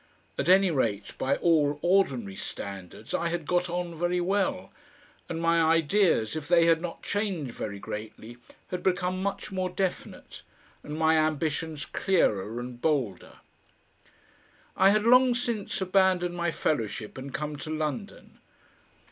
At any rate, by all ordinary standards, I had "got on" very well, and my ideas, if they had not changed very greatly, had become much more definite and my ambitions clearer and bolder. I had long since abandoned my fellowship and come to London.